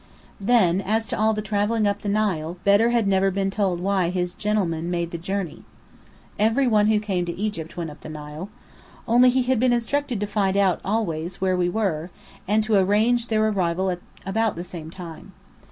Then, as to all the travelling up the Nile, Bedr had never been told why "his genlemen" made the journey. Every one who came to Egypt went up the Nile. Only, he had been instructed to find out, always, where we were, and told to arrange their arrival at about the same time.